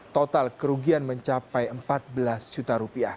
total kerugian mencapai rp empat belas juta